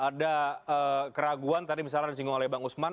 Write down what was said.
ada keraguan tadi misalnya disinggung oleh bang usman